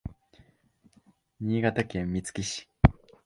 新潟県見附市